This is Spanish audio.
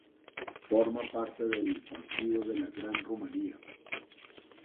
Forma parte del Partido de la Gran Rumanía.